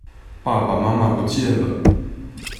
爸爸媽媽不見了